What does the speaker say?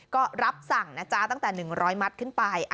ก็รับสั่งนะจ๊ะตั้งแต่๑๐๐มัตต์ขึ้นไป